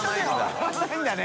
笑わないんだね。